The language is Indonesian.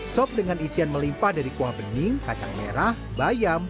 sop dengan isian melimpa dari kuah bening kacang merah bayam